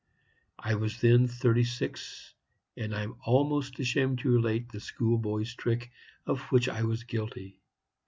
I was then thirty six, and I am almost ashamed to relate the schoolboy's trick of which I was guilty.